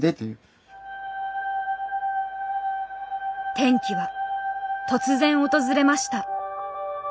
転機は突然訪れました。